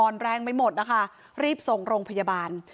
อ่อนแรงไม่หมดนะคะรีบส่งลงพยาบาล